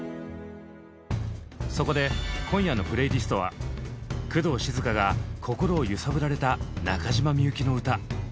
そこで今夜のプレイリストは工藤静香が心を揺さぶられた中島みゆきのうた。